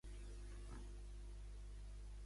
Els fills no li donen sinó disgusts.